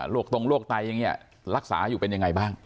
ตรงโรคไตอย่างนี้รักษาอยู่เป็นยังไงบ้าง